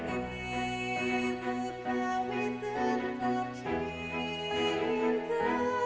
ibu kami tetap cinta